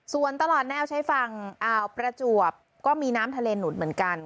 ส่วนตลอดแนวใช้ฝั่งอ่าวประจวบก็มีน้ำทะเลหนุนเหมือนกัน